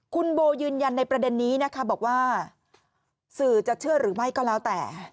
คุณโบยืนยันในประเด็นนี้นะคะบอกว่าสื่อจะเชื่อหรือไม่ก็แล้วแต่